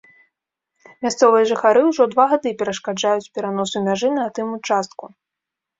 Мясцовыя жыхары ўжо два гады перашкаджаюць пераносу мяжы на тым участку.